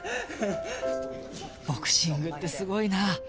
ボクシングってすごいなあ